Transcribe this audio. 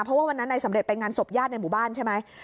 เพราะว่าวันนั้นนายสำเร็จไปงานศพญาติในหมู่บ้านใช่ไหม